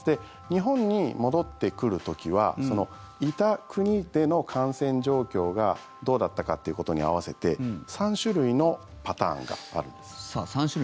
日本に戻ってくる時はその、いた国での感染状況がどうだったかということに合わせて３種類のパターンがあるんです。